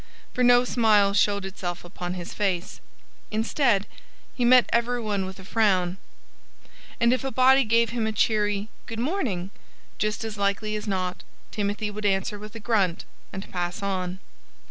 For no smile showed itself upon his face. Instead, he met every one with a frown. And if a body gave him a cheery "Good morning," just as likely as not Timothy would answer with a grunt, and pass on.